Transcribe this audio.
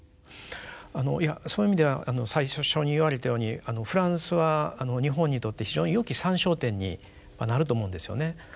いやそういう意味では最初に言われたようにフランスは日本にとって非常によき参照点になると思うんですよね。